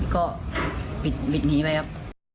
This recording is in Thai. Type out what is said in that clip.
ก็บิดหนีไปครับ